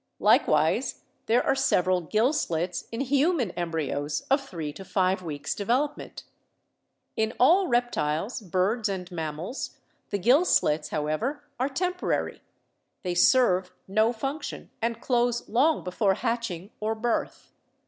Likewise there are several gill slits in human embryos of three to five weeks' development. In all reptiles, birds and mammals the gill slits, however, are temporary; they serve no function and close long before hatching or birth.